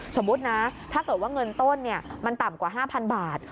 สมมุตินะถ้าเกิดว่าเงินต้นมันต่ำกว่า๕๐๐บาท